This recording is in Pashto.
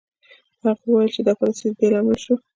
هغه وویل چې دا پالیسۍ د دې لامل شوې